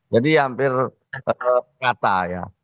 jadi hampir nyata ya